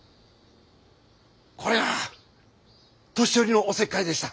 これは年寄りのおせっかいでした。